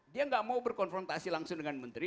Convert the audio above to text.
dia nggak mau berkonfrontasi langsung dengan menteri